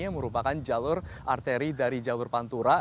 yang merupakan jalur arteri dari jalur pantura